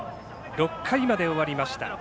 ６回まで終わりました。